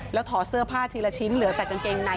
แล้วถอดเสื้อผ้าทีละชิ้นเหลือแต่กางเกงใน